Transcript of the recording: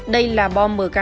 đây là bom mk tám mươi hai